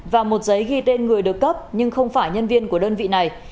và một giấy ghi tên người được cấp nhưng không phải nhân viên của đơn vị này